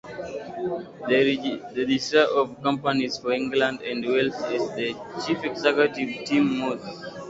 The Registrar of Companies for England and Wales is the Chief Executive Tim Moss.